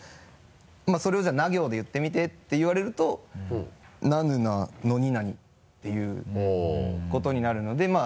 それをじゃあ「な行」で言ってみてて言われると「なぬなのになに」っていうことになるので。